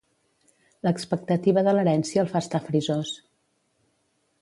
L'expectativa de l'herència el fa estar frisós.